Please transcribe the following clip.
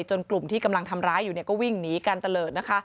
กลุ่มที่กำลังทำร้ายอยู่เนี่ยก็วิ่งหนีกันตะเลิศนะคะ